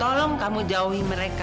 tolong kamu jauhi mereka